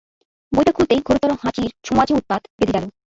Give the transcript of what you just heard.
বইটা খুলতেই ঘোরতর হাঁচির ছোঁয়াচে উৎপাত বেধে গেল।